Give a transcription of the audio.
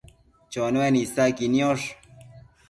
Chonuen isaqui niosh